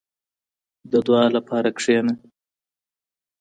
• د دعا لپاره کښېنه.